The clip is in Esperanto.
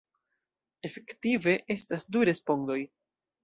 Efektive, estas du respondoj.